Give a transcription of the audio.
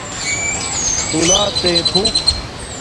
پھلات تئ فݸک